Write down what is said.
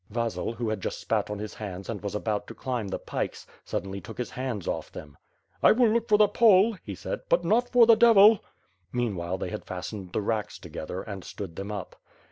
Vasil, who had just spat on his hands and was about to climb the pikes, suddenly took his hands off them. "I will look for the Pole," he said, "but not for the devil." Meanwhile, they had fastened the racks together, and stood them up.